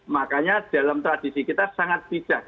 makanya dalam tradisi kita sangat bijak